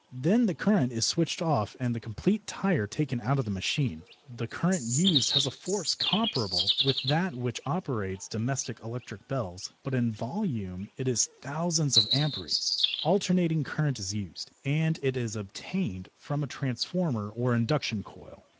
Then the current is switched off and the complete tyre taken out of the machine. The current used has a force comparable with that which operates domestic electric bells, but in volume it is thousands of amperes. Alternating current is used, and it is obtained from a transformer or induction coil.